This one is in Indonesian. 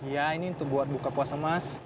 ya ini untuk buat buka puasa mas